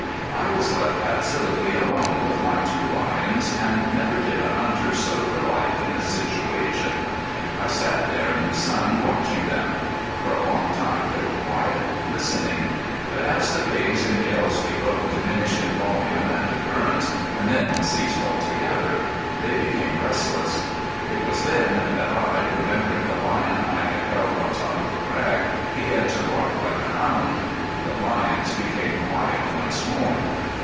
I was left absolutely alone with my two lions and never did a hunter so delight in a situation. I sat there in the sun watching them. For a long time they were quiet, listening. But as the bays and yells below diminished in volume and occurrence and then ceased altogether, they became restless. It was then that I, remembering the lion I had held on top of the crag, began to bark like a hound. The lions became quiet once more.